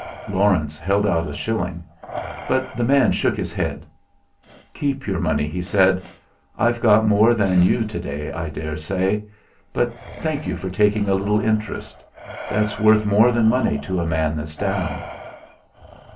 Laurence held out a shilling. But the man shook his head. "Keep your money," he said. "I've got more than you to day, I daresay. But thank you for taking a little interest. That's worth more than money to a man that's down."